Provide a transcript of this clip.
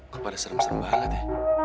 kok pada serem serem banget ya